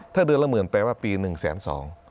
ถ้าเดือนละ๑๐๐๐๐บาทแปลว่าปีหนึ่งแสนสอง